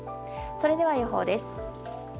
それでは予報です。